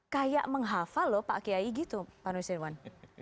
kayak menghafal lho pak kiai gitu pak nusirwan